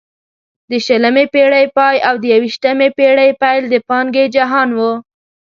د شلمې پېړۍ پای او د یوویشتمې پېړۍ پیل د پانګې جهان وو.